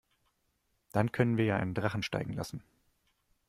Dann können wir ja einen Drachen steigen lassen.